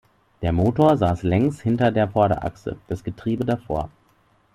Der Motor saß längs hinter der Vorderachse, das Getriebe davor.